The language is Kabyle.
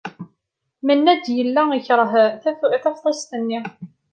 Mennad yella yekṛeh taftist-nni.